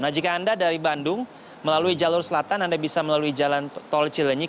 nah jika anda dari bandung melalui jalur selatan anda bisa melalui jalan tol cilenyik